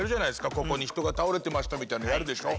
ここに人が倒れてましたみたいのやるでしょ。